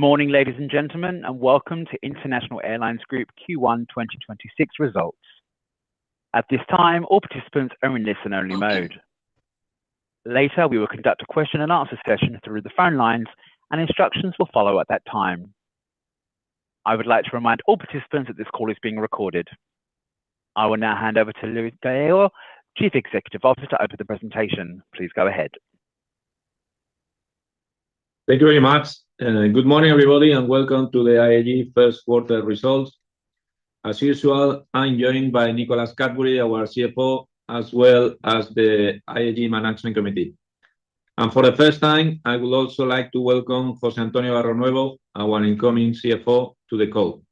Morning, ladies and gentlemen, welcome to International Airlines Group Q1 2026 results. At this time, all participants are in listen-only mode. Later, we will conduct a question and answer session through the phone lines. Instructions will follow at that time. I would like to remind all participants that this call is being recorded. I will now hand over to Luis Gallego, Chief Executive Officer, to open the presentation. Please go ahead. Thank you very much. Good morning, everybody, welcome to the IAG first quarter results. As usual, I'm joined by Nicholas Cadbury, our CFO, as well as the IAG Management Committee. For the first time, I would also like to welcome José Antonio Barrionuevo, our incoming CFO, to the call.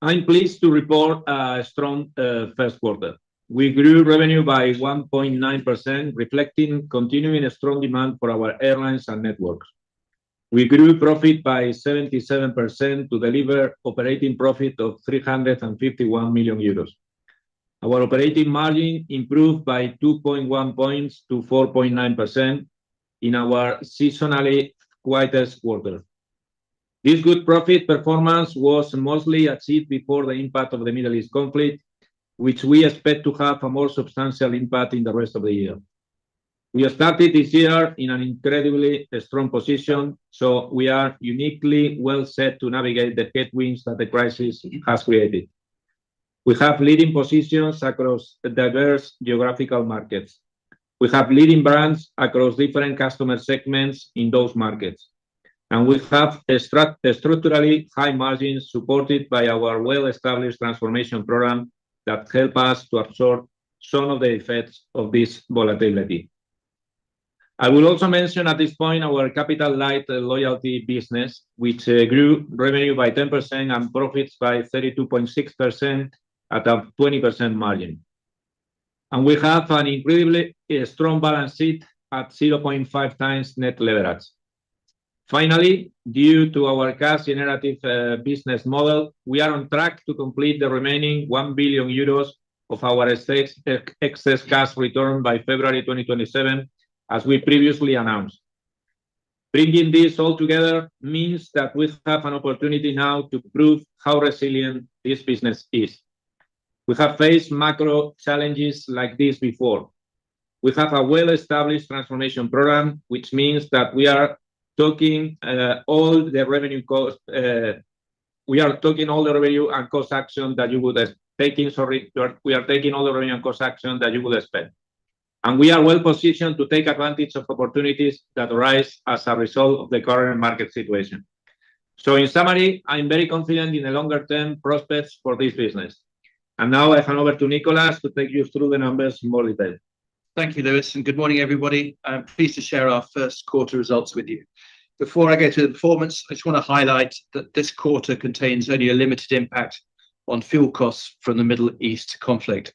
I'm pleased to report a strong first quarter. We grew revenue by 1.9%, reflecting continuing a strong demand for our airlines and networks. We grew profit by 77% to deliver operating profit of 351 million euros. Our operating margin improved by 2.1 points to 4.9% in our seasonally quietest quarter. This good profit performance was mostly achieved before the impact of the Middle East conflict, which we expect to have a more substantial impact in the rest of the year. We have started this year in an incredibly strong position, we are uniquely well set to navigate the headwinds that the crisis has created. We have leading positions across diverse geographical markets. We have leading brands across different customer segments in those markets. We have structurally high margins supported by our well-established transformation program that help us to absorb some of the effects of this volatility. I will also mention at this point our capital light loyalty business, which grew revenue by 10% and profits by 32.6% at a 20% margin. We have an incredibly strong balance sheet at 0.5x net leverage. Finally, due to our cash generative business model, we are on track to complete the remaining 1 billion euros of our excess cash return by February 2027, as we previously announced. Bringing this all together means that we have an opportunity now to prove how resilient this business is. We have faced macro challenges like this before. We have a well-established transformation program, which means that we are taking all the revenue and cost action that you would have taken, sorry. We are taking all the revenue and cost action that you would expect. We are well-positioned to take advantage of opportunities that arise as a result of the current market situation. In summary, I'm very confident in the longer term prospects for this business. Now I hand over to Nicholas to take you through the numbers in more detail. Thank you, Luis. Good morning, everybody. I'm pleased to share our first quarter results with you. Before I go to the performance, I just want to highlight that this quarter contains only a limited impact on fuel costs from the Middle East conflict.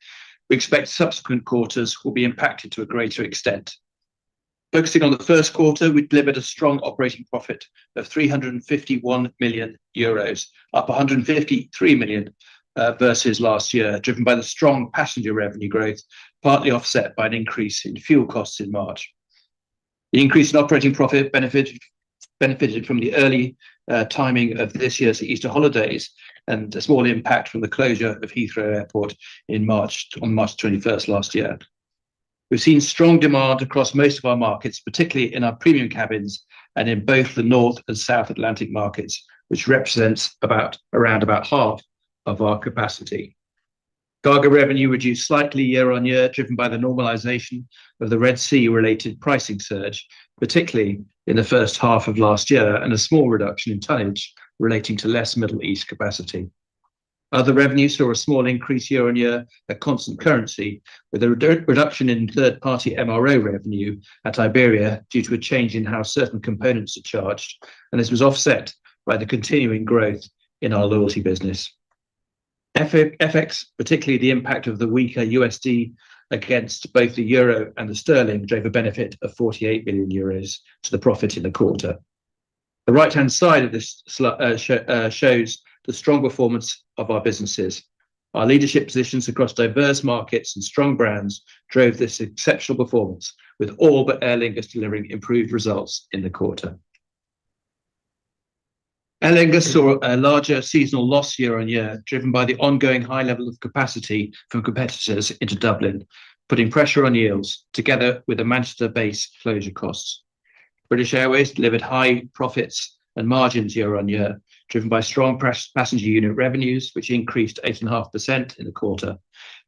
We expect subsequent quarters will be impacted to a greater extent. Focusing on the first quarter, we delivered a strong operating profit of 351 million euros, up 153 million versus last year, driven by the strong passenger revenue growth, partly offset by an increase in fuel costs in March. The increase in operating profit benefited from the early timing of this year's Easter holidays and a small impact from the closure of Heathrow Airport in March, on March 21st last year. We've seen strong demand across most of our markets, particularly in our premium cabins and in both the North and South Atlantic markets, which represents around about half of our capacity. Cargo revenue reduced slightly year-on-year, driven by the normalization of the Red Sea-related pricing surge, particularly in the first half of last year, and a small reduction in tonnage relating to less Middle East capacity. Other revenues saw a small increase year-on-year at constant currency, with a reduction in third-party MRO revenue at Iberia due to a change in how certain components are charged, and this was offset by the continuing growth in our loyalty business. FX, particularly the impact of the weaker USD against both the euro and the sterling, drove a benefit of 48 million euros to the profit in the quarter. The right-hand side of this shows the strong performance of our businesses. Our leadership positions across diverse markets and strong brands drove this exceptional performance, with all but Aer Lingus delivering improved results in the quarter. Aer Lingus saw a larger seasonal loss year-on-year, driven by the ongoing high level of capacity from competitors into Dublin, putting pressure on yields, together with the Manchester base closure costs. British Airways delivered high profits and margins year-on-year, driven by strong passenger unit revenues, which increased 8.5% in the quarter.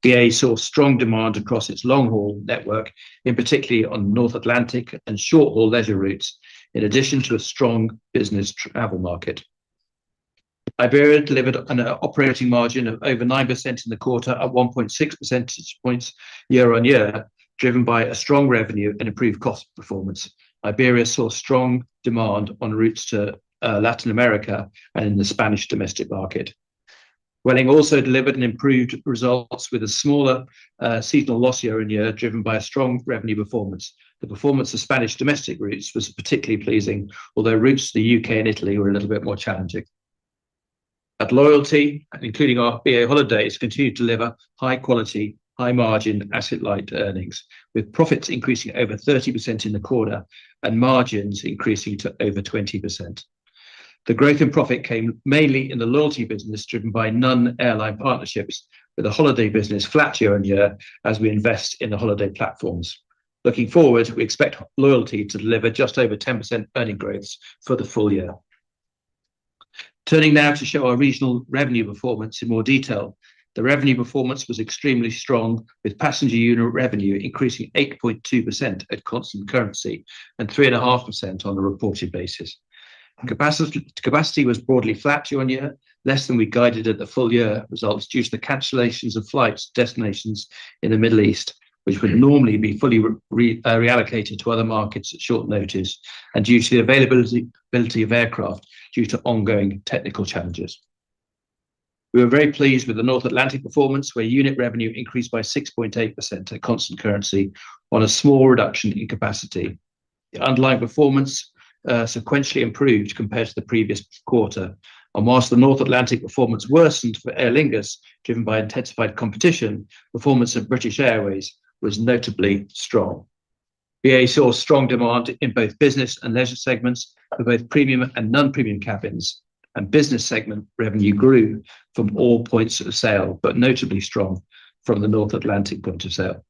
BA saw strong demand across its long-haul network, in particular on North Atlantic and short-haul leisure routes, in addition to a strong business travel market. Iberia delivered an operating margin of over 9% in the quarter at 1.6 percentage points year-on-year, driven by a strong revenue and improved cost performance. Iberia saw strong demand on routes to Latin America and in the Spanish domestic market. Vueling also delivered an improved results with a smaller seasonal loss year-on-year, driven by a strong revenue performance. The performance of Spanish domestic routes was particularly pleasing, although routes to the U.K. and Italy were a little bit more challenging. Loyalty, including our BA Holidays, continue to deliver high quality, high margin, asset light earnings, with profits increasing over 30% in the quarter and margins increasing to over 20%. The growth in profit came mainly in the loyalty business, driven by non-airline partnerships, with the holiday business flat year-on-year as we invest in the holiday platforms. Looking forward, we expect loyalty to deliver just over 10% earning growths for the full year. Turning now to show our regional revenue performance in more detail. The revenue performance was extremely strong, with passenger unit revenue increasing 8.2% at constant currency and 3.5% on a reported basis. Capacity was broadly flat year-on-year, less than we guided at the full year results due to the cancellations of flights to destinations in the Middle East, which would normally be fully reallocated to other markets at short notice, and due to the availability of aircraft due to ongoing technical challenges. We were very pleased with the North Atlantic performance, where unit revenue increased by 6.8% at constant currency on a small reduction in capacity. The underlying performance sequentially improved compared to the previous quarter. Whilst the North Atlantic performance worsened for Aer Lingus, driven by intensified competition, performance of British Airways was notably strong. BA saw strong demand in both business and leisure segments for both premium and non-premium cabins, business segment revenue grew from all points of sale, but notably strong from the North Atlantic point of sale.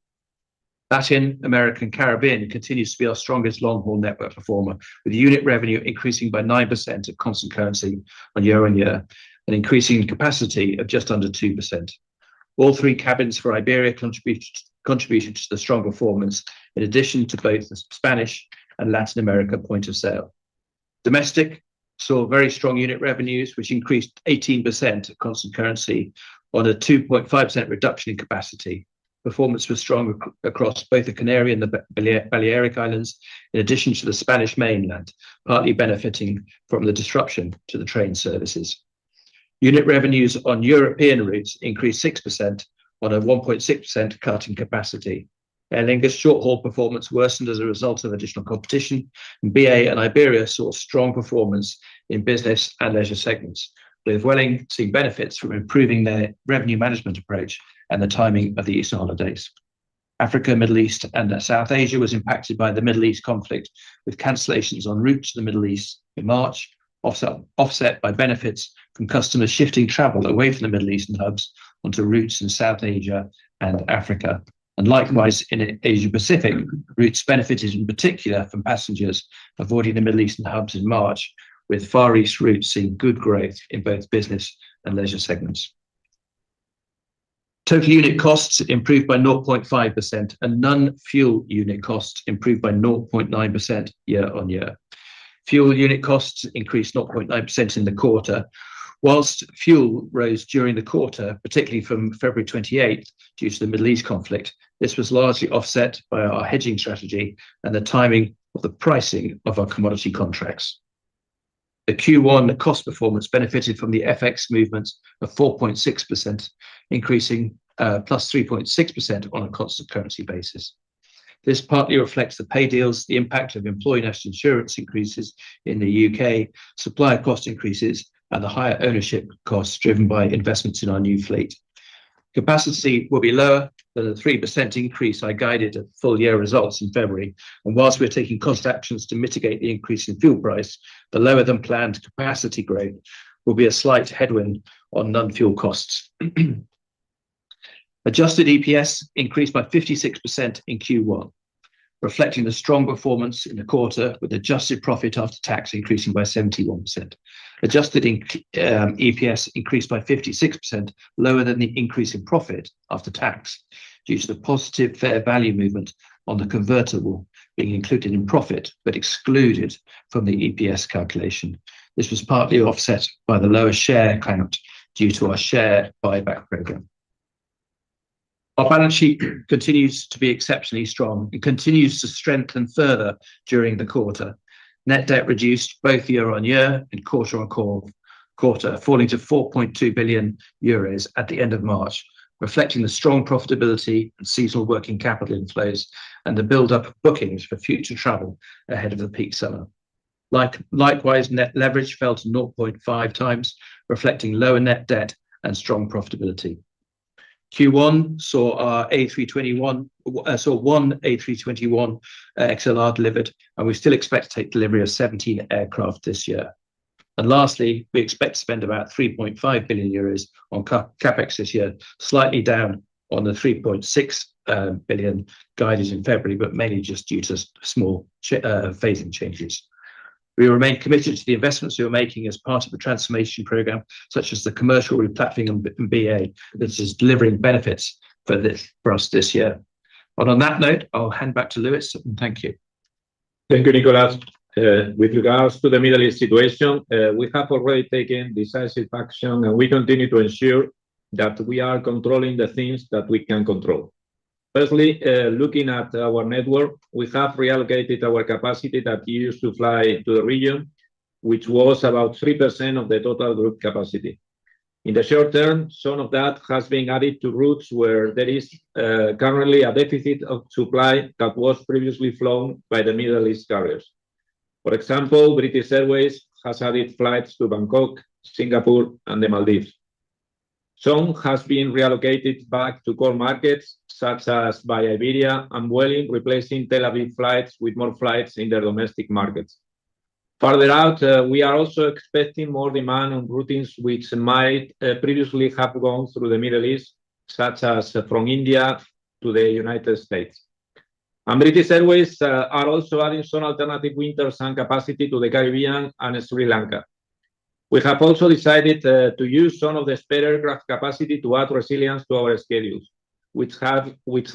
Latin American Caribbean continues to be our strongest long-haul network performer, with unit revenue increasing by 9% at constant currency on year-on-year, and increasing capacity of just under 2%. All three cabins for Iberia contributed to the strong performance, in addition to both the Spanish and Latin America point of sale. Domestic saw very strong unit revenues, which increased 18% at constant currency on a 2.5% reduction in capacity. Performance was strong across both the Canary and the Balearic Islands, in addition to the Spanish mainland, partly benefiting from the disruption to the train services. Unit revenues on European routes increased 6% on a 1.6% cut in capacity. Aer Lingus short-haul performance worsened as a result of additional competition, and BA and Iberia saw strong performance in business and leisure segments, with Vueling seeing benefits from improving their revenue management approach and the timing of the Easter holidays. Africa, Middle East, and South Asia was impacted by the Middle East conflict, with cancellations en route to the Middle East in March, offset by benefits from customers shifting travel away from the Middle Eastern hubs onto routes in South Asia and Africa. Likewise, in Asia-Pacific, routes benefited in particular from passengers avoiding the Middle Eastern hubs in March, with Far East routes seeing good growth in both business and leisure segments. Total unit costs improved by 0.5%, and non-fuel unit costs improved by 0.9% year-on-year. Fuel unit costs increased 0.9% in the quarter. Whilst fuel rose during the quarter, particularly from February 28th due to the Middle East conflict, this was largely offset by our hedging strategy and the timing of the pricing of our commodity contracts. The Q1 cost performance benefited from the FX movements of 4.6%, increasing +3.6% on a constant currency basis. This partly reflects the pay deals, the impact of employee national insurance increases in the U.K., supply cost increases, and the higher ownership costs driven by investments in our new fleet. Capacity will be lower than the 3% increase I guided at full-year results in February. Whilst we're taking cost actions to mitigate the increase in fuel price, the lower than planned capacity growth will be a slight headwind on non-fuel costs. Adjusted EPS increased by 56% in Q1, reflecting the strong performance in the quarter, with adjusted profit after tax increasing by 71%. Adjusted EPS increased by 56%, lower than the increase in profit after tax, due to the positive fair value movement on the convertible being included in profit but excluded from the EPS calculation. This was partly offset by the lower share count due to our share buyback program. Our balance sheet continues to be exceptionally strong and continues to strengthen further during the quarter. Net debt reduced both year-on-year and quarter-on-quarter, falling to 4.2 billion euros at the end of March, reflecting the strong profitability and seasonal working capital inflows and the buildup of bookings for future travel ahead of the peak summer. Likewise, net leverage fell to 0.5x, reflecting lower net debt and strong profitability. Q1 saw one A321XLR delivered, and we still expect to take delivery of 17 aircraft this year. Lastly, we expect to spend about 3.5 billion euros on CapEx this year, slightly down on the 3.6 billion guided in February, but mainly just due to small phasing changes. We remain committed to the investments we are making as part of the transformation programme, such as the commercial replatform and BA, which is delivering benefits for us this year. Well, on that note, I'll hand back to Luis, and thank you. Thank you, Nicholas. With regards to the Middle East situation, we have already taken decisive action, and we continue to ensure that we are controlling the things that we can control. Firstly, looking at our network, we have reallocated our capacity that we used to fly to the region, which was about 3% of the total group capacity. In the short term, some of that has been added to routes where there is currently a deficit of supply that was previously flown by the Middle East carriers. For example, British Airways has added flights to Bangkok, Singapore, and the Maldives. Some has been reallocated back to core markets, such as by Iberia and Vueling, replacing Tel Aviv flights with more flights in their domestic markets. Further out, we are also expecting more demand on routings which might previously have gone through the Middle East, such as from India to the United States. British Airways are also adding some alternative winter sun capacity to the Caribbean and Sri Lanka. We have also decided to use some of the spare aircraft capacity to add resilience to our schedules, which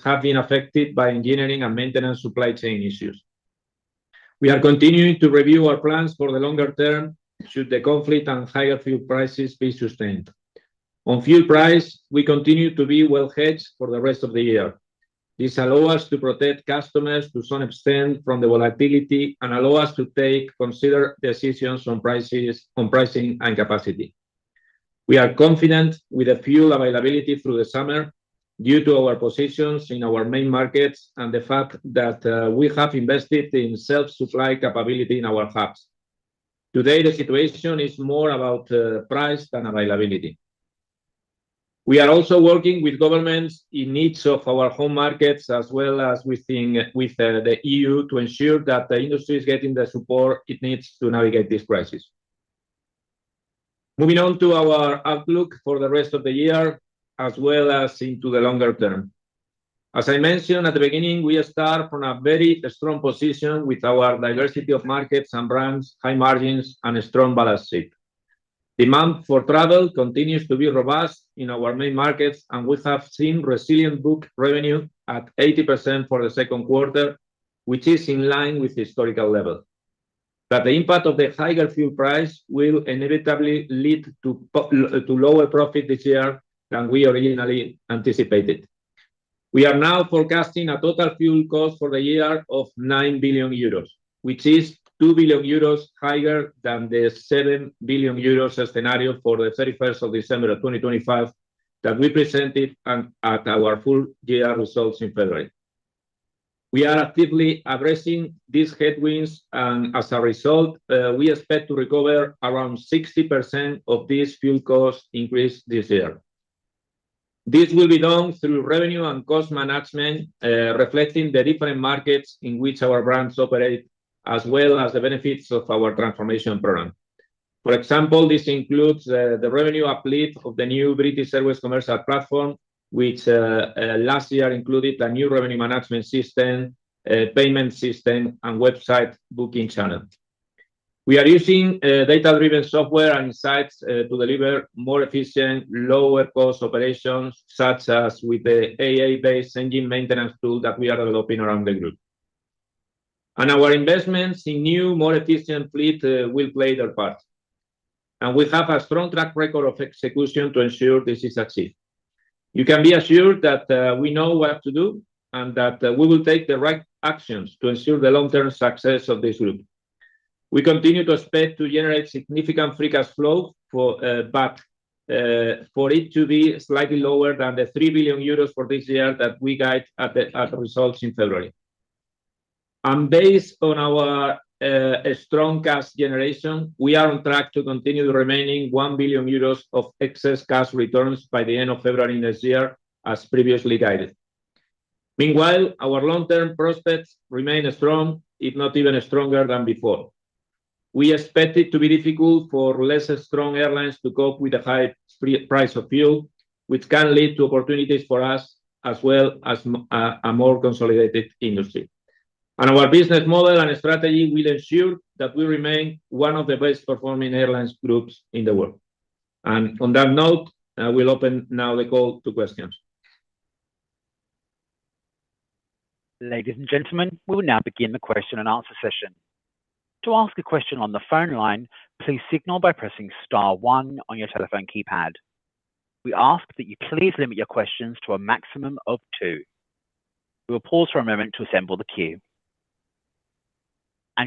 have been affected by engineering and maintenance supply chain issues. We are continuing to review our plans for the longer term should the conflict and higher fuel prices be sustained. On fuel price, we continue to be well hedged for the rest of the year. This allow us to protect customers to some extent from the volatility and allow us to take considered decisions on prices, on pricing and capacity. We are confident with the fuel availability through the summer due to our positions in our main markets and the fact that we have invested in self-supply capability in our hubs. Today, the situation is more about price than availability. We are also working with governments in each of our home markets, as well as with the EU, to ensure that the industry is getting the support it needs to navigate this crisis. Moving on to our outlook for the rest of the year, as well as into the longer term. As I mentioned at the beginning, we start from a very strong position with our diversity of markets and brands, high margins, and a strong balance sheet. Demand for travel continues to be robust in our main markets, and we have seen resilient book revenue at 80% for the second quarter, which is in line with historical level. The impact of the higher fuel price will inevitably lead to lower profit this year than we originally anticipated. We are now forecasting a total fuel cost for the year of 9 billion euros, which is 2 billion euros higher than the 7 billion euros scenario for the 31st of December 2025 that we presented on, at our full year results in February. We are actively addressing these headwinds, and as a result, we expect to recover around 60% of this fuel cost increase this year. This will be done through revenue and cost management, reflecting the different markets in which our brands operate, as well as the benefits of our transformation program. For example, this includes the revenue uplift of the new British Airways commercial platform, which last year included a new revenue management system, a payment system, and website booking channel. We are using data-driven software and insights to deliver more efficient, lower-cost operations, such as with the AI-based engine maintenance tool that we are developing around the group. Our investments in new, more efficient fleet will play their part. We have a strong track record of execution to ensure this is achieved. You can be assured that we know what to do, and that we will take the right actions to ensure the long-term success of this group. We continue to expect to generate significant free cash flow for it to be slightly lower than the 3 billion euros for this year that we guide at the results in February. Based on our strong cash generation, we are on track to continue the remaining 1 billion euros of excess cash returns by the end of February next year, as previously guided. Meanwhile, our long-term prospects remain strong, if not even stronger than before. We expect it to be difficult for less strong airlines to cope with the high price of fuel, which can lead to opportunities for us, as well as M&A, a more consolidated industry. Our business model and strategy will ensure that we remain one of the best performing airlines groups in the world. On that note, I will open now the call to questions. Ladies and gentlemen, we will now begin the question and answer session. To ask a question on the phone line, please signal by pressing star one on your telephone keypad. We ask that you please limit your questions to a maximum of two. We will pause for a moment to assemble the queue.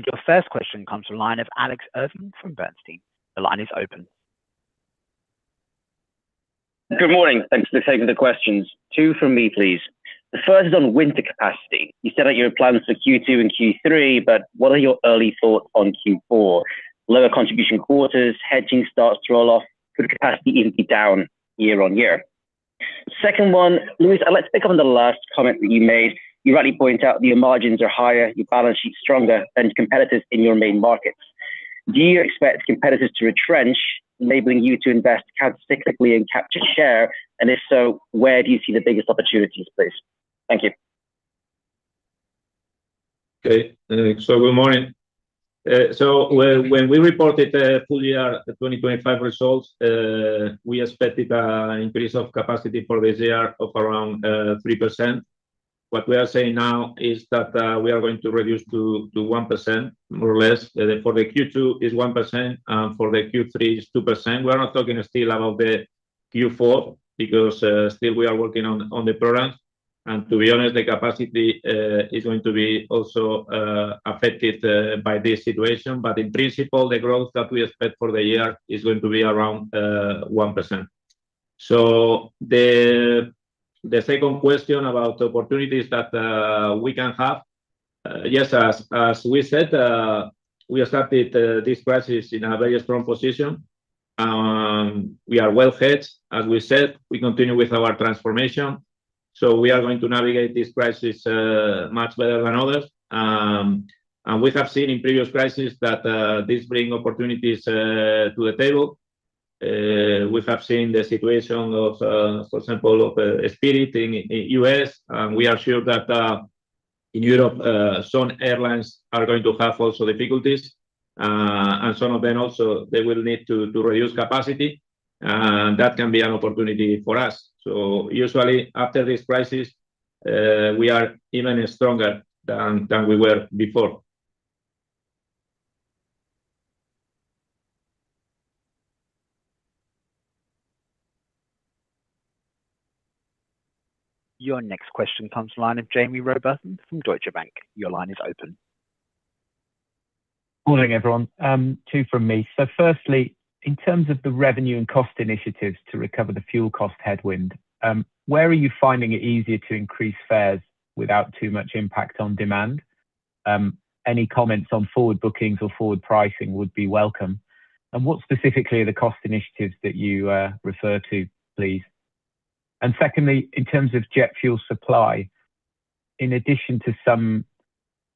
Your first question comes from line of Alex Irving from Bernstein. The line is open. Good morning. Thanks for taking the questions. Two from me, please. The first is on winter capacity. You set out your plans for Q2 and Q3, but what are your early thoughts on Q4? Lower contribution quarters, hedging starts to roll off, could capacity even be down year on year? Second one, Luis, I'd like to pick up on the last comment that you made. You rightly point out that your margins are higher, your balance sheet stronger than competitors in your main markets. Do you expect competitors to retrench, enabling you to invest counter-cyclically and capture share? And if so, where do you see the biggest opportunities, please? Thank you. Good morning. When we reported full year 2025 results, we expected an increase of capacity for this year of around 3%. What we are saying now is that we are going to reduce to 1%, more or less. For the Q2 is 1%, for the Q3 is 2%. We're not talking still about the Q4 because still we are working on the plans. To be honest, the capacity is going to be also affected by this situation. In principle, the growth that we expect for the year is going to be around 1%. The second question about opportunities that we can have. Yes, as we said, we have started this crisis in a very strong position. We are well-hedged. As we said, we continue with our transformation, we are going to navigate this crisis much better than others. We have seen in previous crises that this bring opportunities to the table. We have seen the situation of, for example, of Spirit in the U.S., and we are sure that in Europe some airlines are going to have also difficulties. Some of them also, they will need to reduce capacity, and that can be an opportunity for us. Usually after this crisis, we are even stronger than we were before. Your next question comes to line of Jaime Rowbotham from Deutsche Bank. Your line is open. Morning, everyone. two from me. Firstly, in terms of the revenue and cost initiatives to recover the fuel cost headwind, where are you finding it easier to increase fares without too much impact on demand? Any comments on forward bookings or forward pricing would be welcome. What specifically are the cost initiatives that you refer to, please? Secondly, in terms of jet fuel supply, in addition to some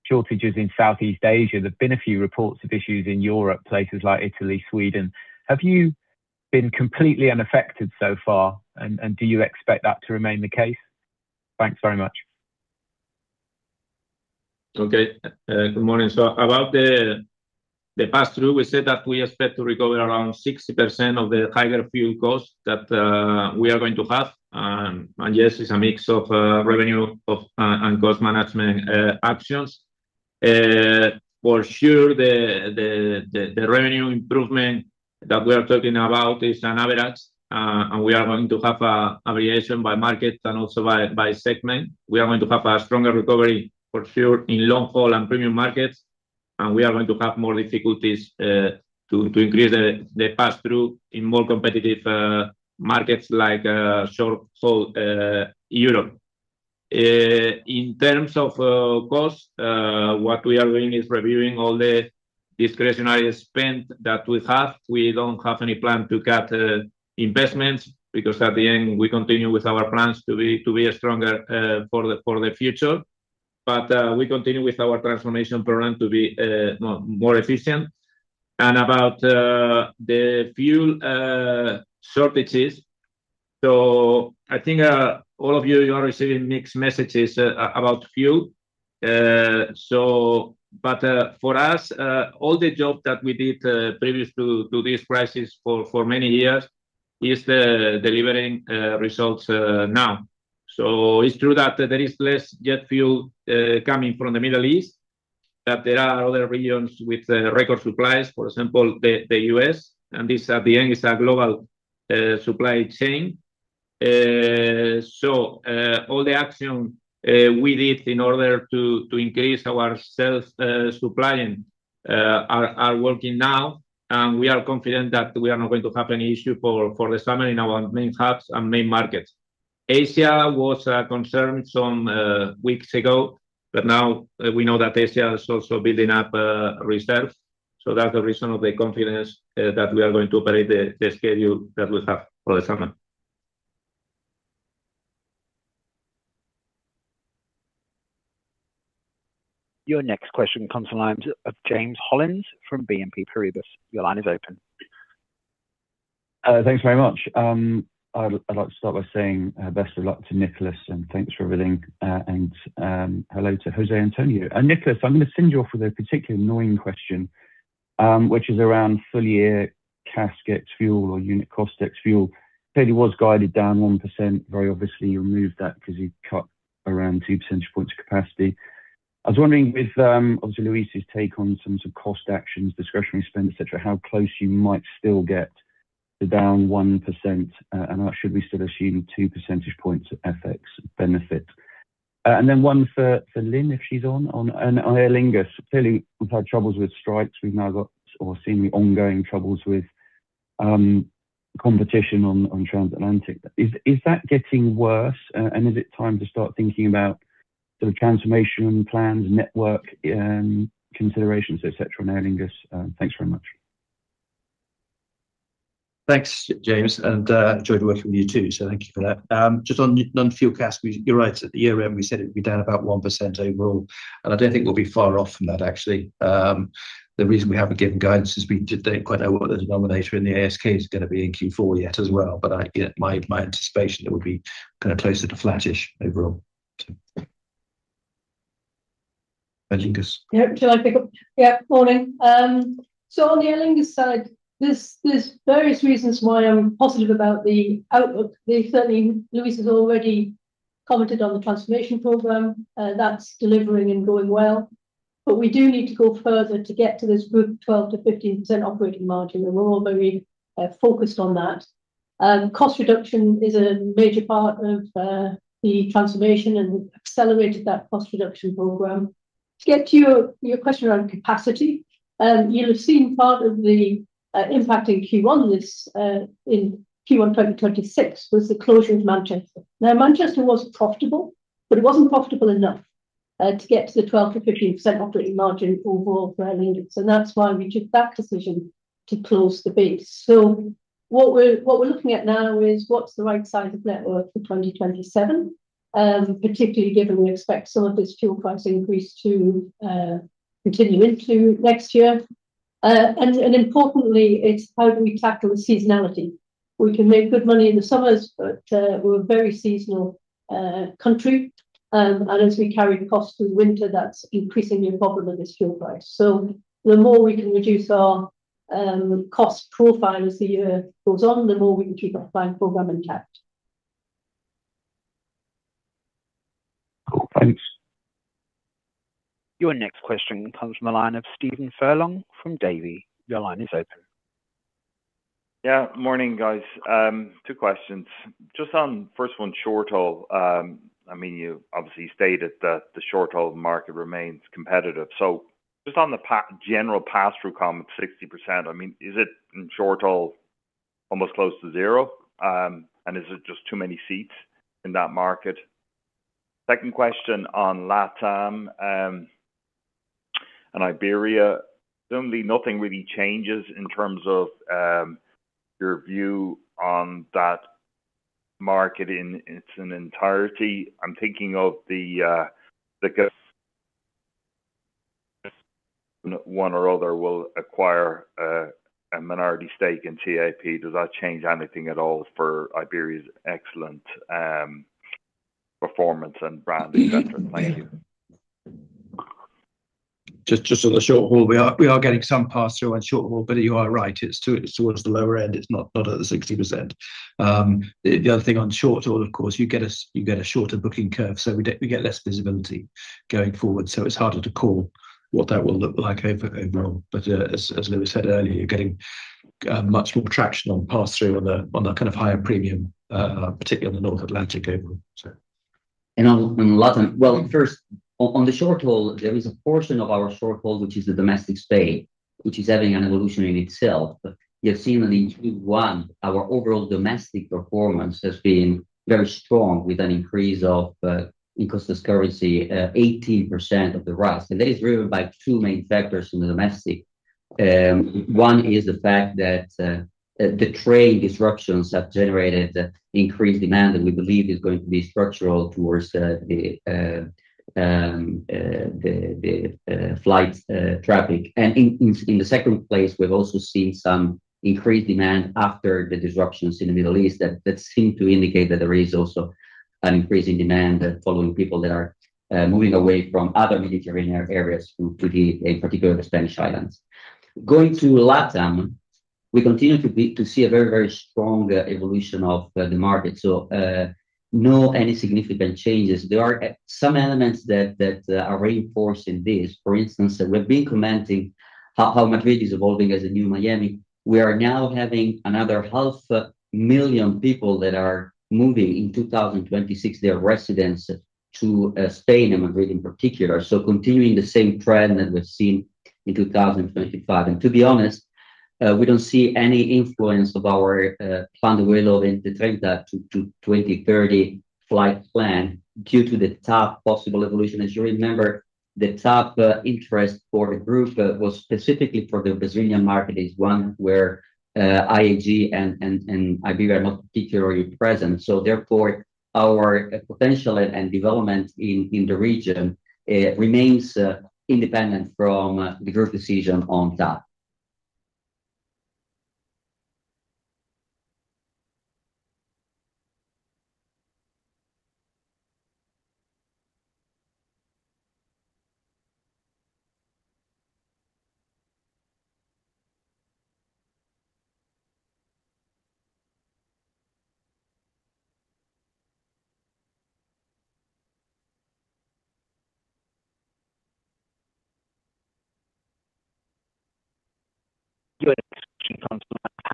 shortages in Southeast Asia, there've been a few reports of issues in Europe, places like Italy, Sweden. Have you been completely unaffected so far, and do you expect that to remain the case? Thanks very much. Okay. Good morning. About the pass-through, we said that we expect to recover around 60% of the higher fuel cost that we are going to have. Yes, it's a mix of revenue and cost management actions. For sure, the revenue improvement that we are talking about is an average. We are going to have a variation by market and also by segment. We are going to have a stronger recovery for sure in long-haul and premium markets, and we are going to have more difficulties to increase the pass-through in more competitive markets like short-haul Europe. In terms of cost, what we are doing is reviewing all the discretionary spend that we have. We don't have any plan to cut investments because at the end we continue with our plans to be stronger for the future. We continue with our transformation program to be more efficient. About the fuel shortages. I think all of you are receiving mixed messages about fuel. For us, all the job that we did previous to this crisis for many years is delivering results now. It's true that there is less jet fuel coming from the Middle East, that there are other regions with record supplies, for example, the U.S. This at the end is a global supply chain. All the action we did in order to increase our self supplying are working now. We are confident that we are not going to have any issue for the summer in our main hubs and main markets. Asia was concerned some weeks ago, now we know that Asia is also building up reserves. That's the reason of the confidence that we are going to operate the schedule that we have for the summer. Your next question comes to lines of James Hollins from BNP Paribas. Your line is open. Thanks very much. I'd like to start by saying, best of luck to Nicholas, and thanks for everything. Hello to José Antonio. Nicholas, I'm gonna send you off with a particularly annoying question, which is around full-year CASK ex fuel or unit cost ex fuel. Clearly was guided down 1%. Very obviously you removed that because you'd cut around 2 percentage points of capacity. I was wondering with, obviously Luis' take on some sort of cost actions, discretionary spend, et cetera, how close you might still get to down 1%, and should we still assume 2 percentage points of FX benefit? Then one for Lynne, if she's on, and Aer Lingus. Clearly we've had troubles with strikes. We've now got or seen the ongoing troubles with, competition on transatlantic. Is that getting worse, is it time to start thinking about sort of transformation plans, network, considerations, et cetera, on Aer Lingus? Thanks very much. Thanks, James, and enjoy the work from you too. Thank you for that. Just on fuel CASK, You're right. At the year-end, we said it'd be down about 1% overall. I don't think we'll be far off from that actually. The reason we haven't given guidance is we don't quite know what the denominator in the ASK is gonna be in Q4 yet as well. I'd get my anticipation it would be kind of closer to flattish overall. Aer Lingus. Yeah. Shall I pick up? Yeah, morning. On the Aer Lingus side, there's various reasons why I'm positive about the outlook. Certainly, Luis has already commented on the transformation programme that's delivering and going well. We do need to go further to get to this group 12%-15% operating margin, and we're all very focused on that. Cost reduction is a major part of the transformation and accelerated that cost reduction program. To get to your question around capacity, you'll have seen part of the impact in Q1 this in Q1 2026 was the closure of Manchester. Manchester was profitable, but it wasn't profitable enough to get to the 12%-15% operating margin overall for our needs. That's why we took that decision to close the base. What we're looking at now is what's the right size of network for 2027, particularly given we expect some of this fuel price increase to continue into next year. Importantly, it's how do we tackle the seasonality. We can make good money in the summers, but we're a very seasonal country. As we carry the cost through the winter, that's increasingly a problem with this fuel price. The more we can reduce our cost profile as the year goes on, the more we can keep our final program intact. Cool. Thanks. Your next question comes from the line of Stephen Furlong from Davy. Your line is open. Yeah, morning, guys. Two questions. Just on first one, short haul, I mean you obviously stated that the short haul market remains competitive, so just on the general pass-through comment, 60%, I mean, is it in short haul almost close to zero? Is it just too many seats in that market? Second question on LatAm, Iberia. Certainly nothing really changes in terms of your view on that market in its entirety. I'm thinking of the one or other will acquire a minority stake in TAP. Does that change anything at all for Iberia's excellent performance and branding effort? Thank you. Just on the short haul, we are getting some pass-through on short haul, but you are right. It's towards the lower end. It's not at the 60%. The other thing on short haul, of course, you get a shorter booking curve, so we get less visibility going forward, so it's harder to call what that will look like overall. As Luis said earlier, you're getting much more traction on pass-through on the kind of higher premium, particularly on the North Atlantic overall. On, and LatAm, well, first, on the short haul, there is a portion of our short haul, which is the domestic Spain, which is having an evolution in itself. You have seen that in Q1, our overall domestic performance has been very strong with an increase of in constant currency 18% of the RASK. That is driven by two main factors in the domestic. One is the fact that the train disruptions have generated increased demand that we believe is going to be structural towards the flight traffic. In the second place, we've also seen some increased demand after the disruptions in the Middle East that seem to indicate that there is also an increasing demand following people that are moving away from other Mediterranean areas to the, in particular, the Spanish islands. Going to LatAm, we continue to see a very strong evolution of the market. No any significant changes. There are some elements that are reinforced in this. For instance, we've been commenting how Madrid is evolving as a new Miami. We are now having another half a million people that are moving in 2026, their residence to Spain, and Madrid in particular. Continuing the same trend that we've seen in 2025. To be honest, we don't see any influence of our plan to take that to 2030 flight plan due to the TAP possible evolution. As you remember, the TAP interest for the group was specifically for the Brazilian market. It's one where IAG and Iberia are not particularly present. Therefore, our potential and development in the region remains independent from the group decision on TAP. Your next question comes from Harry Gowers at JPMorgan. Harry, Harry.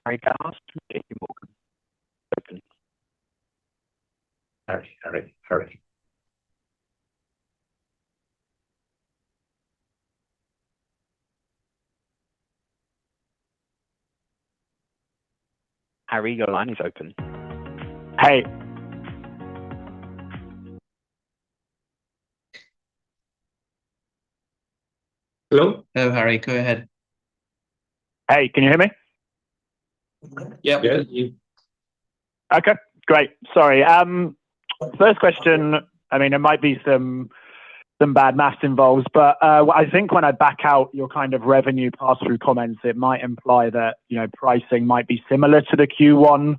Harry, your line is open. Hey. Hello? Hello, Harry. Go ahead. Hey, can you hear me? Yeah. Yeah, we can hear you. Okay, great. Sorry. First question, I mean, there might be some bad maths involved, but I think when I back out your kind of revenue pass-through comments, it might imply that, you know, pricing might be similar to the Q1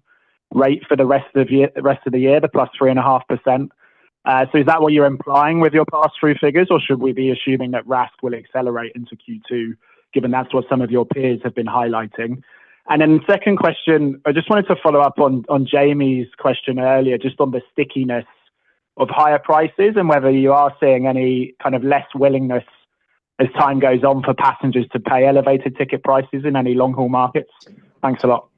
rate for the rest of the year, the +3.5%. Is that what you're implying with your pass-through figures, or should we be assuming that RASK will accelerate into Q2, given that's what some of your peers have been highlighting? Second question, I just wanted to follow up on Jaime's question earlier, just on the stickiness of higher prices and whether you are seeing any kind of less willingness as time goes on for passengers to pay elevated ticket prices in any long-haul markets. Thanks a lot.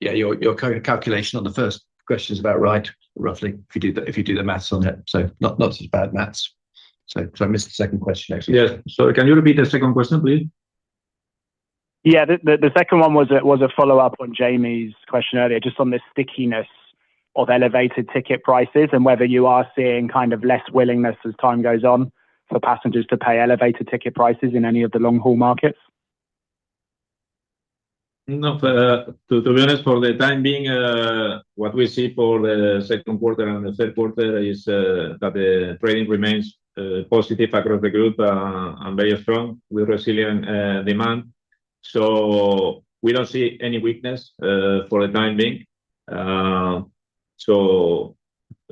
Yeah, your calculation on the first question's about right, roughly, if you do the math on it. Not so bad math. I missed the second question actually. Yes. Can you repeat the second question, please? Yeah. The second one was a follow-up on Jaime's question earlier, just on the stickiness of elevated ticket prices and whether you are seeing kind of less willingness as time goes on for passengers to pay elevated ticket prices in any of the long-haul markets. No. To be honest, for the time being, what we see for the second quarter and the third quarter is that the trading remains positive across the group and very strong with resilient demand. We don't see any weakness for the time being.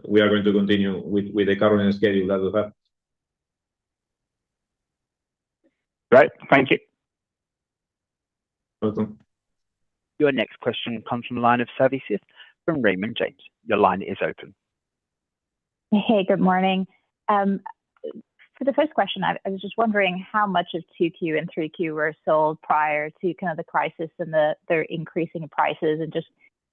We are going to continue with the current scheduling as is that. Great. Thank you. Welcome. Your next question comes from line of Savanthi Syth from Raymond James. Your line is open. Hey, good morning. For the first question, I was just wondering how much of 2Q and 3Q were sold prior to kind of the crisis and the, their increasing prices, and just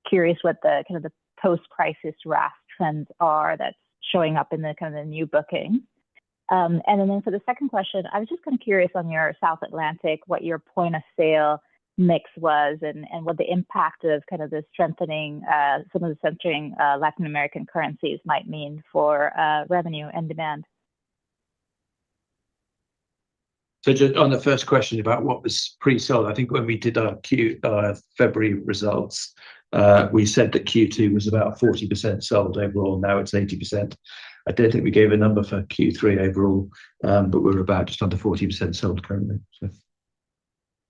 curious what the kind of the post-crisis RASK trends are that's showing up in the kind of the new booking. For the second question, I was just kind of curious on your South Atlantic, what your point of sale mix was and what the impact of kind of the strengthening, some of the strengthening Latin American currencies might mean for revenue and demand. On the first question about what was pre-sold, I think when we did our Q February results, we said that Q2 was about 40% sold overall. Now it's 80%. I don't think we gave a number for Q3 overall, but we're about just under 40% sold currently.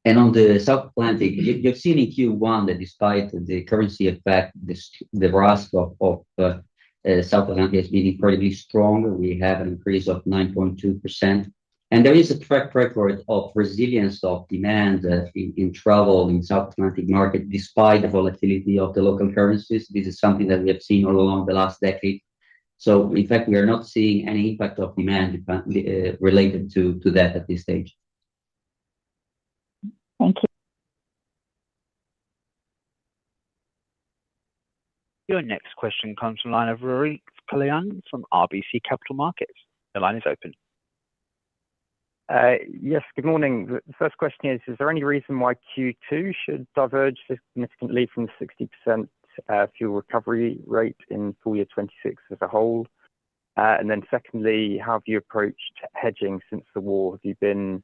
On the South Atlantic, you've seen in Q1 that despite the currency effect, the rest of South Atlantic has been incredibly strong. We have an increase of 9.2%. There is a track record of resilience of demand in travel in South Atlantic market despite the volatility of the local currencies. This is something that we have seen all along the last decade. In fact, we are not seeing any impact of demand related to that at this stage. Thank you. Your next question comes from line of Ruairi Cullinane from RBC Capital Markets. Your line is open. Yes. Good morning. The first question is there any reason why Q2 should diverge significantly from the 60% fuel recovery rate in full year 2026 as a whole? Secondly, how have you approached hedging since the war? Have you been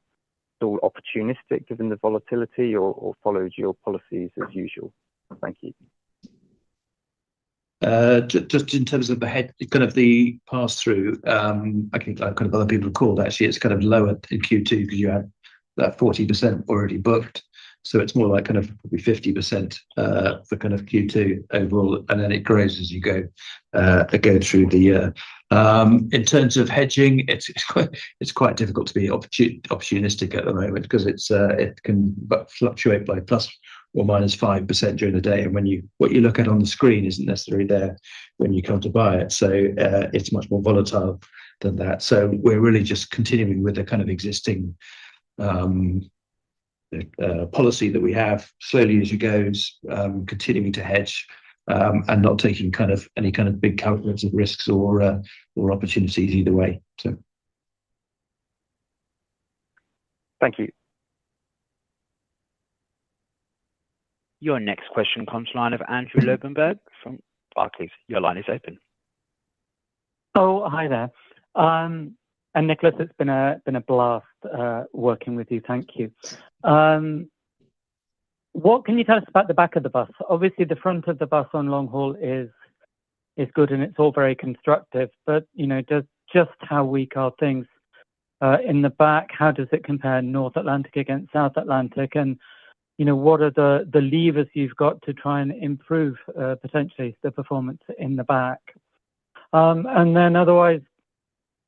sort of opportunistic given the volatility or followed your policies as usual? Thank you. Just in terms of the kind of the pass through, I think kind of other people called actually, it's kind of lower in Q2 because you had about 40% already booked, so it's more like kind of probably 50% for kind of Q2 overall. Then it grows as you go through the year. In terms of hedging, it's quite difficult to be opportunistic at the moment because it's, it can fluctuate by ±5% during the day. What you look at on the screen isn't necessarily there when you come to buy it. It's much more volatile than that. We're really just continuing with the kind of existing policy that we have, slowly as it goes, continuing to hedge, and not taking kind of any kind of big calculated risks or opportunities either way. Thank you. Your next question comes line of Andrew Lobbenberg from Barclays. Your line is open. Hi there. Nicholas, it's been a blast working with you. Thank you. What can you tell us about the back of the bus? Obviously the front of the bus on long haul is good and it's all very constructive, you know, just how weak are things in the back? How does it compare North Atlantic against South Atlantic? You know, what are the levers you've got to try and improve potentially the performance in the back? Otherwise,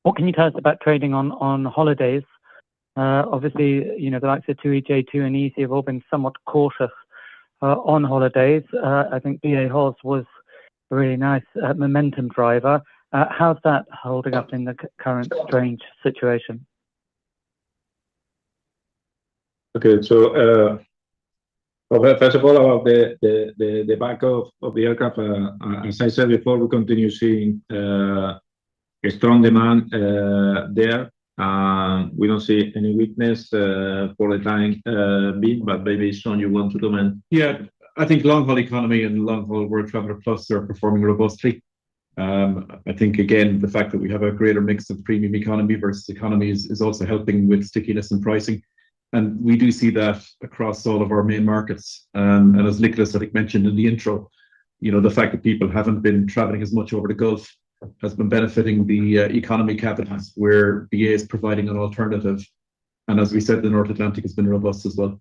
what can you tell us about trading on holidays? Obviously, you know, the likes of TUI, Jet2 and easyJet have all been somewhat cautious on holidays. I think BA Holidays was a really nice momentum driver. How's that holding up in the current strange situation? Okay. Well, first of all, about the back of the aircraft, as I said before, we continue seeing a strong demand there. We don't see any weakness for the time being, maybe Sean you want to comment? Yeah. I think long-haul economy and long-haul World Traveller Plus are performing robustly. I think again, the fact that we have a greater mix of premium economy versus economy is also helping with stickiness and pricing. We do see that across all of our main markets. As Nicholas, I think, mentioned in the intro, you know, the fact that people haven't been traveling as much over the Gulf has been benefiting the economy cabins where BA is providing an alternative. As we said, the North Atlantic has been robust as well.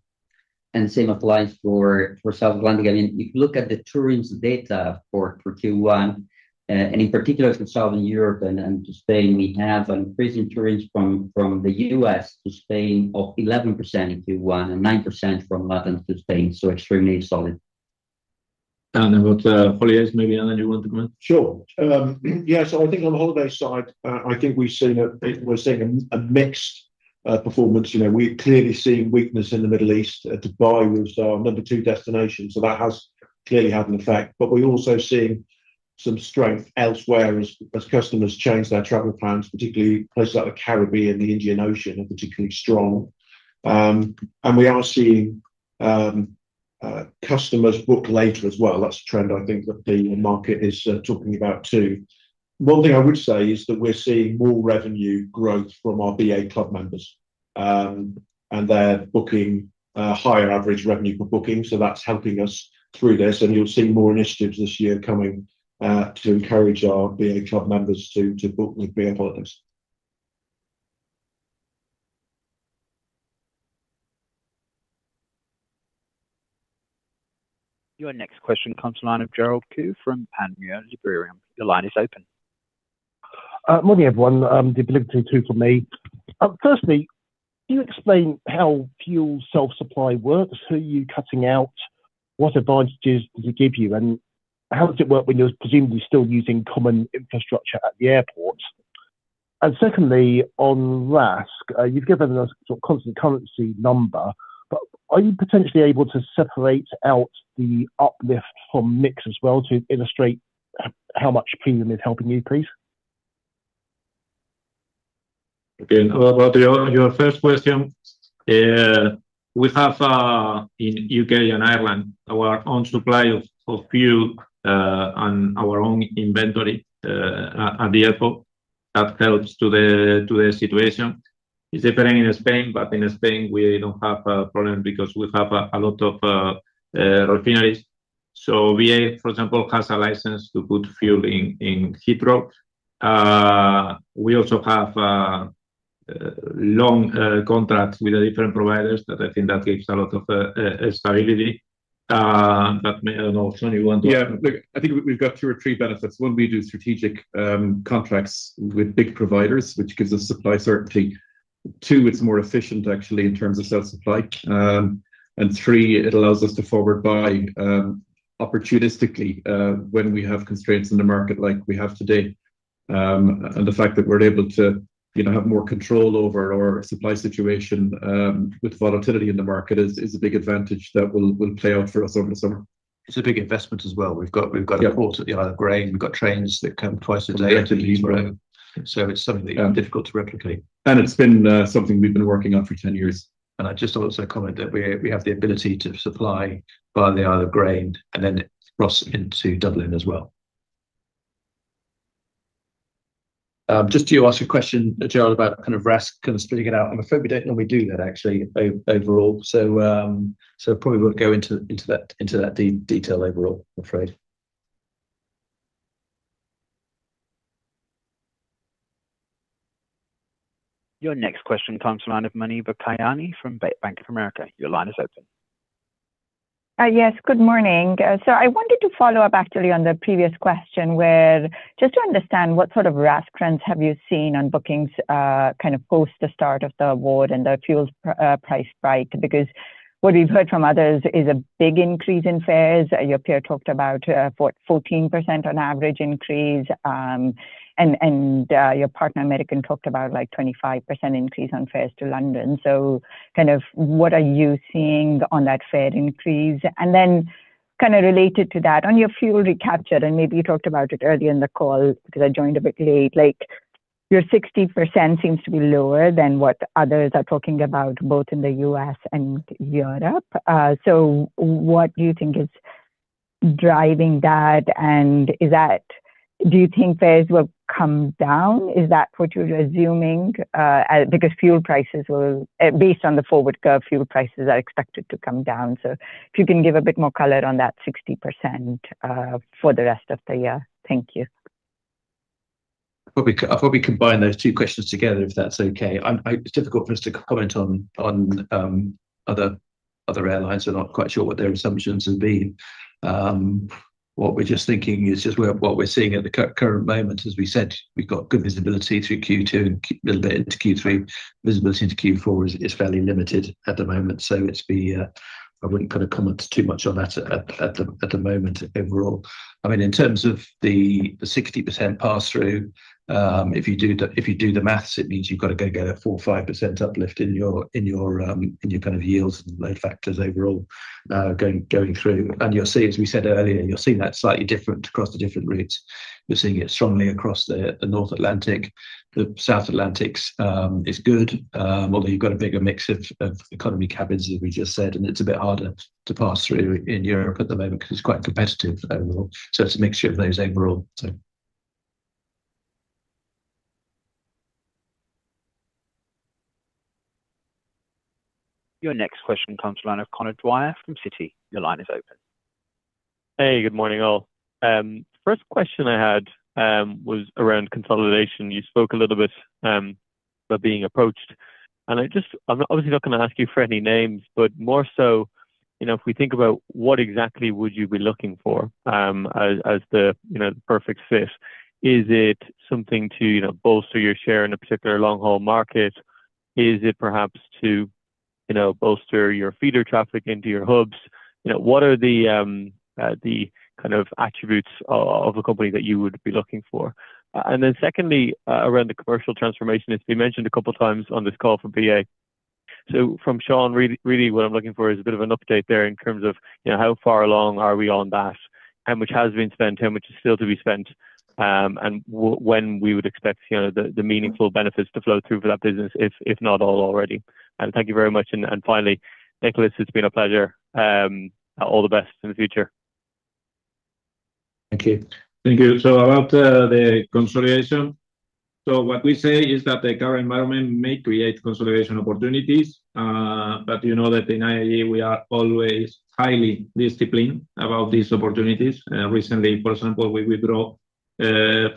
Same applies for South Atlantic. I mean, if you look at the tourism data for Q1, and in particular for Southern Europe and to Spain, we have an increasing tourism from the U.S. to Spain of 11% in Q1, and 9% from Latin to Spain. Extremely solid. About holidays, maybe Adam you want to comment? Sure. Yeah, I think on the holiday side, I think we're seeing a mixed performance. You know, we're clearly seeing weakness in the Middle East. Dubai was our number two destination, so that has clearly had an effect. We're also seeing some strength elsewhere as customers change their travel plans, particularly places like the Caribbean, the Indian Ocean are particularly strong. We are seeing customers book later as well. That's a trend I think that the market is talking about too. One thing I would say is that we're seeing more revenue growth from our BA club members, and they're booking a higher average revenue per booking, so that's helping us through this. You'll see more initiatives this year coming to encourage our BA club members to book with BA partners. Your next question comes to line of Gerald Khoo from Panmure Liberum. Your line is open. Morning, everyone. The ability two from me. Firstly, can you explain how fuel self-supply works? Who are you cutting out? What advantages does it give you, and how does it work when you're presumably still using common infrastructure at the airport? Secondly, on RASK, you've given us a constant currency number, but are you potentially able to separate out the uplift from mix as well to illustrate how much premium is helping you, please? About your first question. We have in U.K. and Ireland, our own supply of fuel and our own inventory at the airport. That helps to the situation. It's different in Spain, in Spain, we don't have a problem because we have a lot of refineries. We, for example, has a license to put fuel in Heathrow. We also have long contracts with the different providers that I think that gives a lot of stability. May I don't know if Sean wants to. Yeah. Look, I think we've got two or three benefits. One, we do strategic contracts with big providers, which gives us supply certainty. Two, it's more efficient actually in terms of self-supply. Three, it allows us to forward buy opportunistically when we have constraints in the market like we have today. The fact that we're able to, you know, have more control over our supply situation with volatility in the market is a big advantage that will play out for us over the summer. It's a big investment as well. Yeah. We've got a port at the Isle of Grain. We've got trains that come twice a day. Come directly to Heathrow. So it's something that. Yeah. Difficult to replicate. It's been something we've been working on for 10 years. I'd just also comment that we have the ability to supply via the Isle of Grain and then across into Dublin as well. Just you asked a question, Gerald, about kind of RASK, kind of splitting it out. I'm afraid we don't normally do that actually overall. Probably won't go into that detail overall, I'm afraid. Your next question comes to line of Muneeba Kayani from Bank of America. Your line is open. Yes. Good morning. I wanted to follow up actually on the previous question with just to understand what sort of RASK trends have you seen on bookings, kind of post the start of the war and the fuels price spike? What we've heard from others is a big increase in fares. Your peer talked about, what, 14% on average increase, and your partner, American, talked about, like, 25% increase on fares to London. Kind of what are you seeing on that fare increase? Then kind of related to that, on your fuel recapture, and maybe you talked about it earlier in the call because I joined a bit late, like, your 60% seems to be lower than what others are talking about, both in the U.S. and Europe. What do you think is driving that, Do you think fares will come down? Is that what you're assuming? Because fuel prices will, based on the forward curve, fuel prices are expected to come down. If you can give a bit more color on that 60%, for the rest of the year. Thank you. I'll probably combine those two questions together, if that's okay. It's difficult for us to comment on other airlines. We're not quite sure what their assumptions have been. What we're just thinking is what we're seeing at the current moment, as we said, we've got good visibility through Q2 and a little bit into Q3. Visibility into Q4 is fairly limited at the moment. It'd be, I wouldn't kind of comment too much on that at the moment overall. I mean, in terms of the 60% pass-through, if you do the math, it means you've got to go get a 4%, 5% uplift in your kind of yields and load factors overall, going through. You'll see, as we said earlier, you're seeing that slightly different across the different routes. You're seeing it strongly across the North Atlantic. The South Atlantics is good. Although you've got a bigger mix of economy cabins, as we just said, and it's a bit harder to pass through in Europe at the moment because it's quite competitive overall. It's a mixture of those overall. Your next question comes to line of Conor Dwyer from Citi. Your line is open. Hey, good morning, all. First question I had was around consolidation. You spoke a little bit about being approached. I just, I'm obviously not gonna ask you for any names, but more so, you know, if we think about what exactly would you be looking for as the, you know, perfect fit. Is it something to, you know, bolster your share in a particular long-haul market? Is it perhaps? You know, bolster your feeder traffic into your hubs. You know, what are the kind of attributes of a company that you would be looking for? Secondly, around the commercial transformation, it's been mentioned a couple times on this call for BA. From Sean, really what I'm looking for is a bit of an update there in terms of, you know, how far along are we on that? How much has been spent? How much is still to be spent? When we would expect, you know, the meaningful benefits to flow through for that business, if not all already. Thank you very much. Finally, Nicholas, it's been a pleasure. All the best in the future. Thank you. Thank you. About the consolidation. What we say is that the current environment may create consolidation opportunities, but you know that in IAG we are always highly disciplined about these opportunities. Recently, for example, we withdraw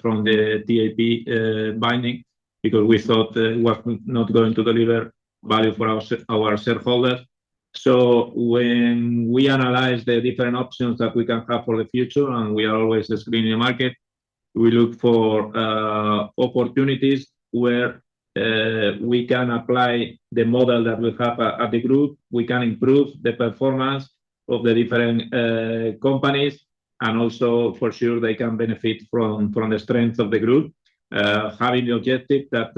from the TAP bidding because we thought it was not going to deliver value for our shareholders. When we analyze the different options that we can have for the future, and we are always screening the market, we look for opportunities where we can apply the model that we have at the group. We can improve the performance of the different companies, and also for sure they can benefit from the strength of the group. Having the objective that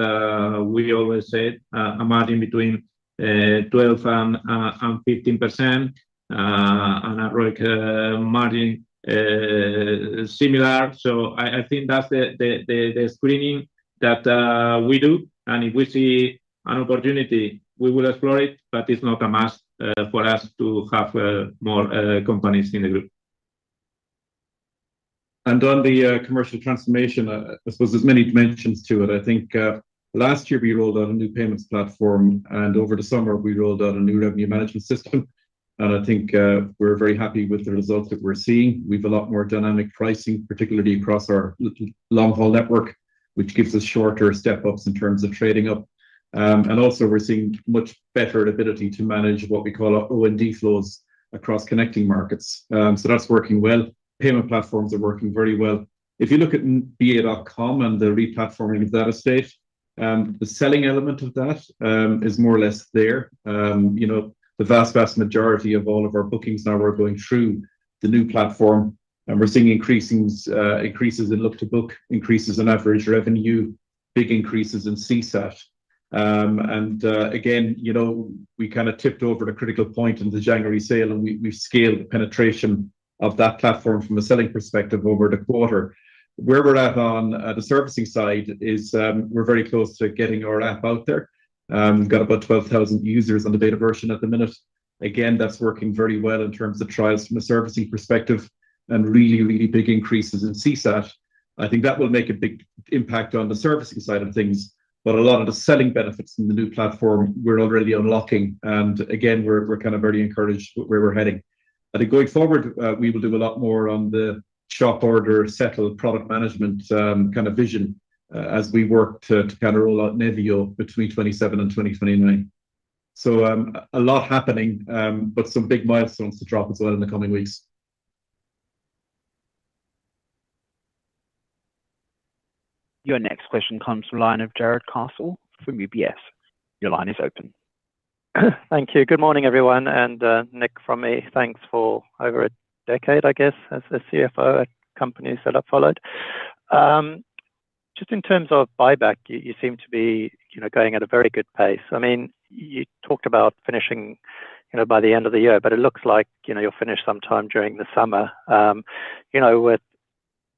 we always said a margin between 12% and 15% and a ROIC margin similar. I think that's the screening that we do, and if we see an opportunity, we will explore it, but it's not a must for us to have more companies in the group. On the commercial transformation, I suppose there's many dimensions to it. I think, last year we rolled out a new payments platform, and over the summer we rolled out a new revenue management system. I think, we're very happy with the results that we're seeing. We've a lot more dynamic pricing, particularly across our long haul network, which gives us shorter step-ups in terms of trading up. Also we're seeing much better ability to manage what we call O&D flows across connecting markets. That's working well. Payment platforms are working very well. If you look at ba.com and the re-platforming of that estate, the selling element of that is more or less there. You know, the vast majority of all of our bookings now are going through the new platform, and we're seeing increases in look-to-book, increases in average revenue, big increases in CSAT. Again, you know, we kind of tipped over the critical point in the January sale, and we've scaled the penetration of that platform from a selling perspective over the quarter. Where we're at on the servicing side is, we're very close to getting our app out there. Got about 12,000 users on the beta version at the minute. Again, that's working very well in terms of trials from a servicing perspective and really, really big increases in CSAT. I think that will make a big impact on the servicing side of things. A lot of the selling benefits in the new platform we're already unlocking, and again, we're kind of very encouraged where we're heading. I think going forward, we will do a lot more on the Shop Order Settle product management, kind of vision, as we work to kind of roll out Nevio between 2027 and 2029. A lot happening, but some big milestones to drop as well in the coming weeks. Your next question comes from the line of Jarrod Castle from UBS. Your line is open. Thank you. Good morning, everyone. Nick, from me, thanks for over a decade, I guess, as the CFO at companies that I've followed. Just in terms of buyback, you seem to be, you know, going at a very good pace. I mean, you talked about finishing, you know, by the end of the year, it looks like, you know, you'll finish sometime during the summer. You know, with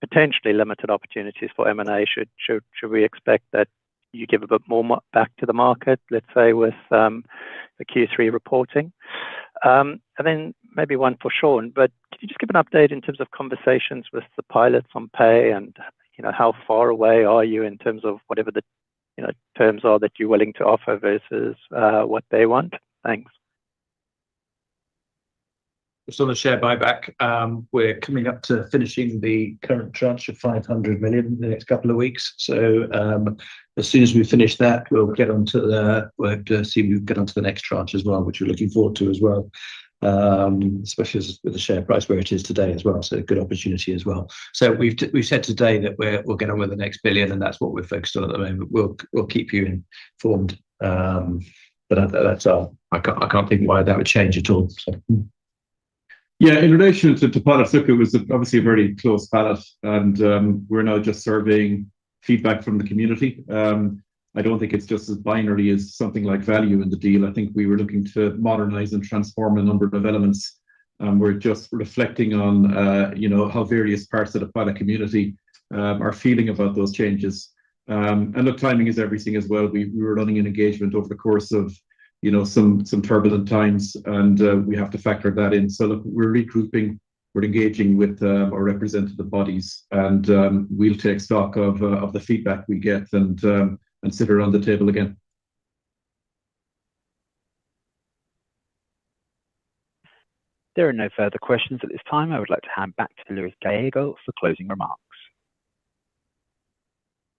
potentially limited opportunities for M&A, should we expect that you give a bit more back to the market, let's say, with the Q3 reporting? Then maybe one for Sean, but could you just give an update in terms of conversations with the pilots on pay and, you know, how far away are you in terms of whatever the, you know, terms are that you're willing to offer versus what they want? Thanks. Just on the share buyback, we're coming up to finishing the current tranche of 500 million in the next couple of weeks. As soon as we finish that, we'll get on to the, we'll see if we can get on to the next tranche as well, which we're looking forward to as well. Especially as with the share price where it is today as well, a good opportunity as well. We've said today that we're, we'll get on with the next 1 billion, and that's what we're focused on at the moment. We'll, we'll keep you informed. That, that's all. I can't think why that would change at all. Yeah, in relation to pilot, look, it was obviously a very close ballot, and we're now just surveying feedback from the community. I don't think it's just as binary as something like value in the deal. I think we were looking to modernize and transform a number of elements, and we're just reflecting on, you know, how various parts of the pilot community are feeling about those changes. Look, timing is everything as well. We were running an engagement over the course of, you know, some turbulent times, and we have to factor that in. Look, we're regrouping, we're engaging with our representative bodies, and we'll take stock of the feedback we get and sit around the table again. There are no further questions at this time. I would like to hand back to Luis Gallego for closing remarks.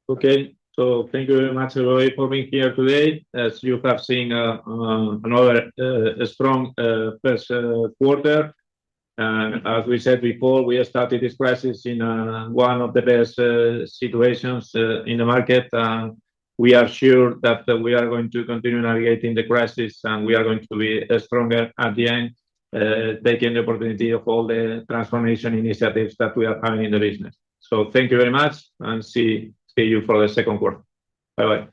Okay. Thank you very much, everybody, for being here today. As you have seen, another strong first quarter. As we said before, we have started this crisis in one of the best situations in the market. We are sure that we are going to continue navigating the crisis, and we are going to be stronger at the end, taking the opportunity of all the transformation initiatives that we are having in the business. Thank you very much, and see you for the second quarter. Bye-bye.